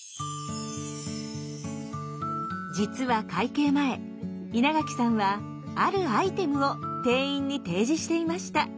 実は会計前稲垣さんはあるアイテムを店員に提示していました。